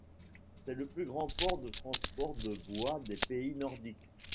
C'est le plus grand port de transport de bois des pays nordiques.